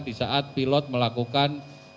di saat pilot melakukan